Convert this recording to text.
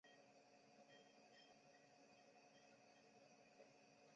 瘤枝杜鹃为杜鹃花科杜鹃属下的一个种。